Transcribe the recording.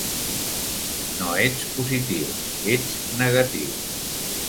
No ets positiu, ets negatiu.